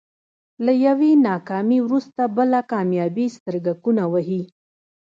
له يوې ناکامي وروسته بله کاميابي سترګکونه وهي.